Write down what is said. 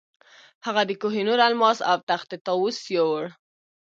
هغه د کوه نور الماس او تخت طاووس یووړ.